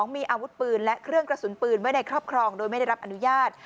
มีอาวุธปืนและเครื่องกระสุนปืนไว้ในครอบครองโดยไม่ได้รับอนุญาต